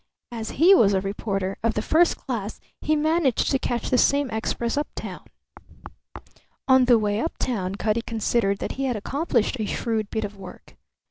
As he was a reporter of the first class he managed to catch the same express uptown. On the way uptown Cutty considered that he had accomplished a shrewd bit of work.